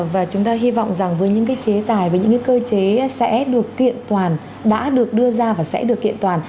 và chúng ta hy vọng rằng với những cái chế tài và những cái cơ chế sẽ được kiện toàn đã được đưa ra và sẽ được kiện toàn